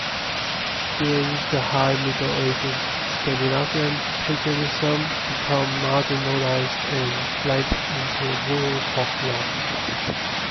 During the High Middle Ages, Scandinavian paganism became marginalized and blended into rural folklore.